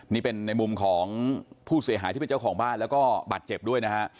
นี่เป็นในมุมของผู้เสียหายที่เป็นเจ้าของบ้านแล้วก็บาดเจ็บด้วยนะฮะ